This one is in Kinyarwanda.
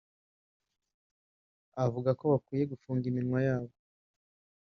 avuga ko bakwiye gufunga iminwa yabo